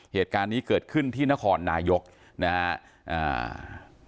เหตุการณ์นี้เกิดขึ้นที่นครนายกนะฮะอ่า